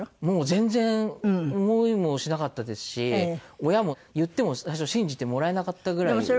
もう全然思いもしなかったですし親も言っても最初信じてもらえなかったぐらい。